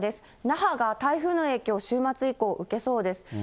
那覇が台風の影響、週末以降、受けそうです。